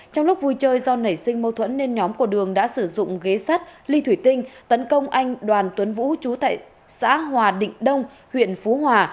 trong lúc vui chơi do nảy sinh mâu thuẫn nên nhóm của đường đã sử dụng ghế sắt ly thủy tinh tấn công anh đoàn tuấn vũ chú tệ xã hòa định đông huyện phú hòa